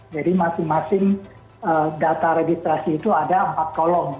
jadi masing masing data registrasi itu ada empat kolom